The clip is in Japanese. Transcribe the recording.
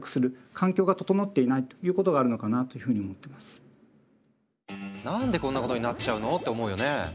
あるいは何でこんなことになっちゃうのって思うよね？